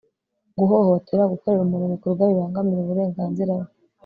guhohotera gukorera umuntu ibikorwa bibangamira uburengnzira bwe